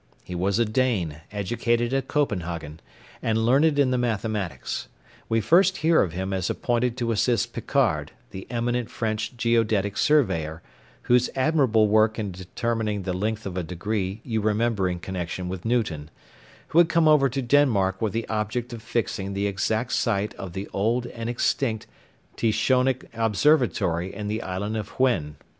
He was a Dane, educated at Copenhagen, and learned in the mathematics. We first hear of him as appointed to assist Picard, the eminent French geodetic surveyor (whose admirable work in determining the length of a degree you remember in connection with Newton), who had come over to Denmark with the object of fixing the exact site of the old and extinct Tychonic observatory in the island of Huen.